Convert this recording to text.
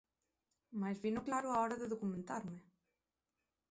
Mais vino claro á hora de documentarme.